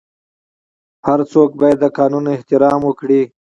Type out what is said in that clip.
هر څوک باید د قانون احترام وکړي.